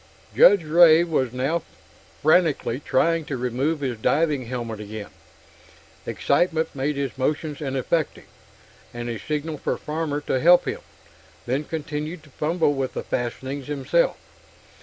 Judge Ray was now frantically trying to remove his diving helmet again. Excitement made his motions ineffective, and he signaled for Farmer to help him, then continued to fumble with the fastenings himself.